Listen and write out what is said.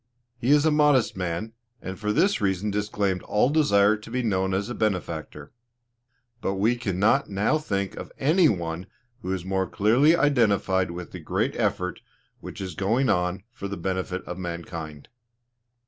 He is a modest man, and for this reason disclaimed all desire to be known as a benefactor. But we cannot now think of any one who is more clearly identified with the great effort which is going on for the benefit of mankind.